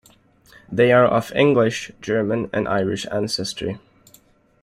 They are of English, German, and Irish ancestry.